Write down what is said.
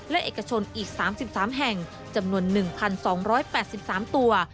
และเอกชนอีกสามสิบสามแห่งจำนวนหนึ่งพันสองร้อยแปดสิบสามตัว